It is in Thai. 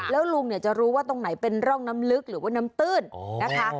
แล้วลุงเนี่ยจะรู้ว่าตรงไหนเป็นร่องน้ำลึกหรือว่าน้ำตื้นนะคะ